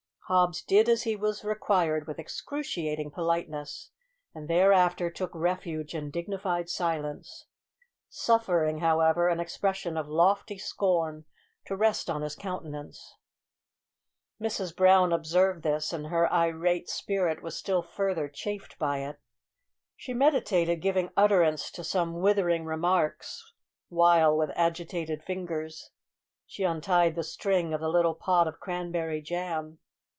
Hobbs did as he was required with excruciating politeness, and thereafter took refuge in dignified silence; suffering, however, an expression of lofty scorn to rest on his countenance. Mrs Brown observed this, and her irate spirit was still further chafed by it. She meditated giving utterance to some withering remarks, while, with agitated fingers, she untied the string of the little pot of cranberry jam.